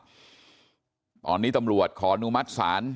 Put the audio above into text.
ตอนนี้ตำรวจขออนุมัติศาล